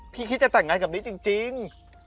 คิดจะแต่งงานกับนี้จริง